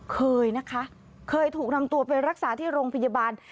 เคยนะคะเคยถูกนำตัวไปรักษาที่โรงพยาบาล